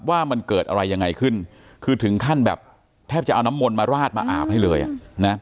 ว่ามันเกิดอะไรยังไงขึ้นคือถึงขั้นแบบแทบจะเอาน้ำมนต์มาราดมาอาบให้เลยอ่ะนะ